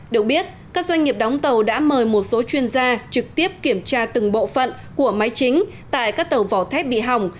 được biết các doanh nghiệp đóng tàu đã mời một số chuyên gia trực tiếp kiểm tra từng bộ phận của máy chính tại các tàu vỏ thép bị hỏng